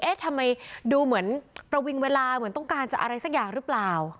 ทำไมดูเหมือนประวิงเวลาเหมือนต้องการจะอะไรสักอย่างหรือเปล่า